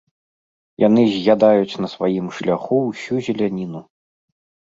Яны з'ядаюць на сваім шляху ўсю зеляніну.